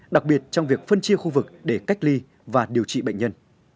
đặc biệt trong việc phân chia khu vực để cách ly và điều trị bệnh nhân